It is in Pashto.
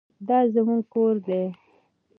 دا زموږ کور دی؟